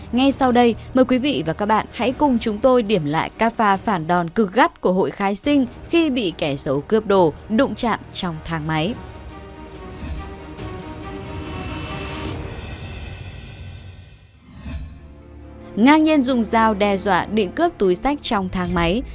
ngay sau đây mời quý vị và các bạn hãy cùng chúng tôi điểm lại các pha phản đòn cực gắt của hội khai sinh khi bị kẻ xấu cướp đồ đụng chạm trong thang máy